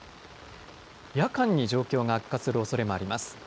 夜間に状況が悪化するおそれもあります。